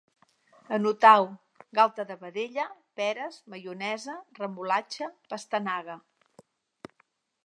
Anotau: galta de vedella, peres, maionesa, remolatxa, pastanaga